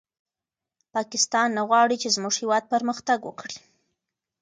پاکستان نه غواړي چې زموږ هېواد پرمختګ وکړي.